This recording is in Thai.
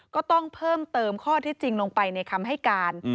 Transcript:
ก็ต้องเพิ่มเติมข้อที่จริงลงไปในคำให้การ